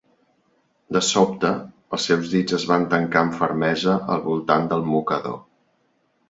De sobte, els seus dits es van tancar amb fermesa al voltant del mocador.